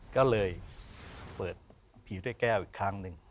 ก็เลยเปิดผีด้วยแก้วอีกครั้งหนึ่ง